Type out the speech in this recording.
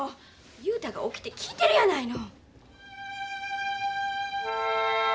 雄太が起きて聞いてるやないの！